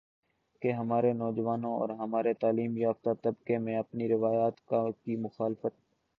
کہ ہمارے نوجوانوں اور ہمارے تعلیم یافتہ طبقہ میں اپنی روایات کی مخالفت